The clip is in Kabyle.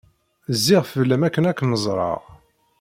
Zziɣ fell-am akken ad kem-ẓreɣ.